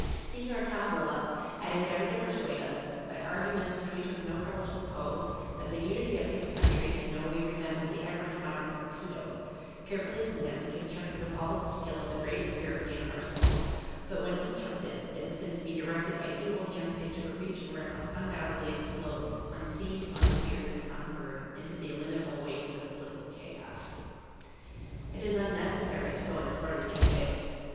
Signor Tombola had endeavoured to persuade us,[Pg 5] by arguments which we took no trouble to oppose, that the unity of his country in no way resembled the average modern torpedo, carefully planned, constructed with all the skill of the greatest European arsenals, but, when constructed, destined to be directed by feeble hands into a region where it must undoubtedly explode, unseen, unfeared, and unheard, into the illimitable wastes of political chaos. It is unnecessary to go into further details.